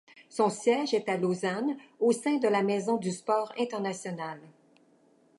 Son siège est à Lausanne, au sein de la Maison du sport international.